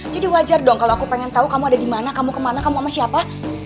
jadi wajar dong kalau aku pengen tau kamu ada dimana kamu kemana kamu sama siapa